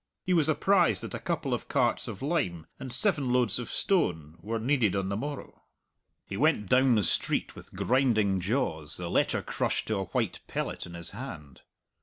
He was apprised that a couple of carts of lime and seven loads of stone were needed on the morrow. He went down the street with grinding jaws, the letter crushed to a white pellet in his hand.